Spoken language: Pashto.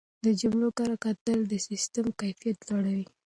د جملو کره کتل د سیسټم کیفیت لوړوي.